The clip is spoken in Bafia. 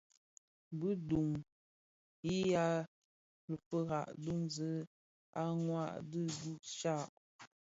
Bi duň yi a lufira, duñzi a mwadingusha,